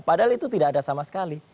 padahal itu tidak ada sama sekali